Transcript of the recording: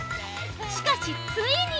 しかしついに！